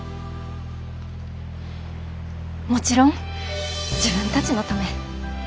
もちろん自分たちのため。